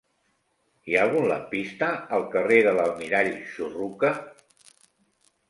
Hi ha algun lampista al carrer de l'Almirall Churruca?